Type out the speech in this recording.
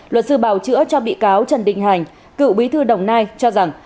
luật sư bào chữa cho bị cáo trần đình hành cựu bí thư đồng nai cho rằng